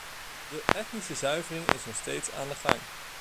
De etnische zuivering is nog steeds aan de gang.